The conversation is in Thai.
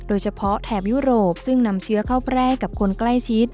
โดยเฉพาะแถบยุโรปซึ่งนำเชื้อเข้าแปลกับคนใกล้ชิด